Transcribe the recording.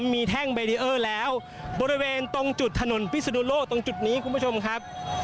มีแท่งเบรีเออร์แล้วบริเวณตรงจุดถนนพิศนุโลกตรงจุดนี้คุณผู้ชมครับ